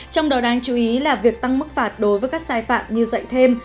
trong đó đáng chú ý là việc tăng mức phạt đối với các sai phạm như dạy thêm